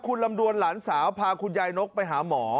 คุณลำดวนหลานสาวพาคุณยายนกไปหาหมอ